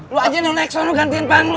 lu aja nih leksan lu gantiin bang